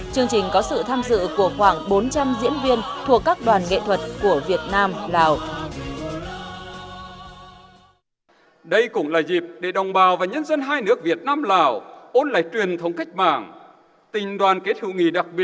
chương trình có sự tham dự của khoảng bốn trăm linh diễn viên thuộc các đoàn nghệ thuật của việt nam lào